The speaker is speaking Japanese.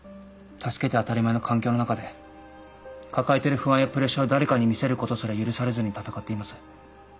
助けて当たり前の環境の中で抱えてる不安やプレッシャーを誰かに見せることすら許されずに闘っています。